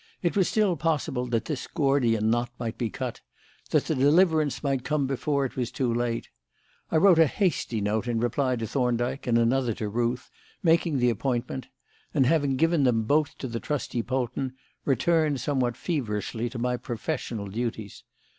It was still possible that this Gordian knot might be cut; that the deliverance might come before it was too late. I wrote a hasty note in reply to Thorndyke and another to Ruth, making the appointment; and having given them both to the trusty Polton, returned somewhat feverishly to my professional duties.